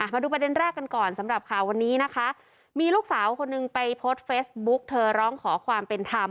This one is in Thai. มาดูประเด็นแรกกันก่อนสำหรับข่าววันนี้นะคะมีลูกสาวคนหนึ่งไปโพสต์เฟซบุ๊กเธอร้องขอความเป็นธรรม